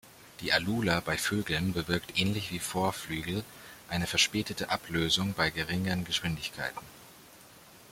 Die Alula bei Vögeln bewirkt ähnlich wie Vorflügel eine verspätete Ablösung bei geringen Geschwindigkeiten.